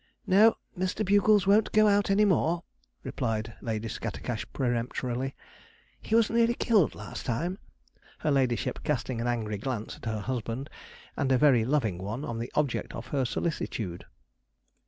'No; Mr. Bugles won't go out any more,' replied Lady Scattercash peremptorily. 'He was nearly killed last time'; her ladyship casting an angry glance at her husband, and a very loving one on the object of her solicitude.